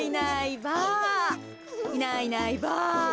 いないいないばあ。